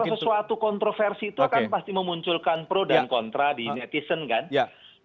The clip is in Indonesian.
kalau sesuatu kontroversi itu akan pasti memunculkan pro dan kontra di netizen kan